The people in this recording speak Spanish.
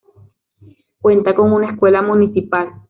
Cuenta con una escuela municipal.